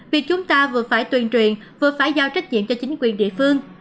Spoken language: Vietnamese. vì chúng ta vừa phải tuyên truyền vừa phải giao trách nhiệm cho chính quyền địa phương